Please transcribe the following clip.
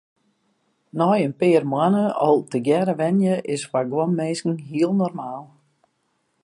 Nei in pear moannen al tegearre wenje is foar guon minsken hiel normaal.